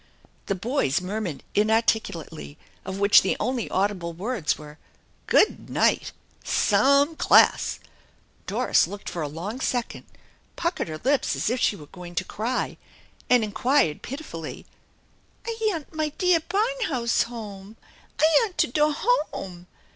The boys murmured inarticulately, of which the only audible words were :" Good night ! Some class !" Doris looked for a long jecond, puckered her lips as if she were going to cry, and inquired pitifully: "I yant my dear barn house home! I jant to doh home